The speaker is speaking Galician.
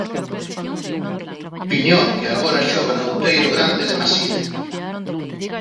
Piñor que agora xoga no Outeiro Grande de Maside.